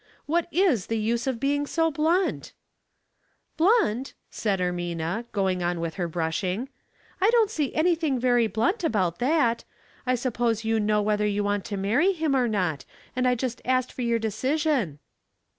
" What is the use of being so blunt ?" 10 116 Household Puzzles. "Biunt?" said Ermina, going on with her brushing. "I don't see anything very blunt about that. I suppose you know whether you want to marry him or not, and I just asked for your decision."